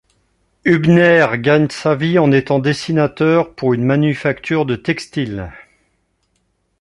Hübner gagne sa vie en étant dessinateur pour une manufacture de textile.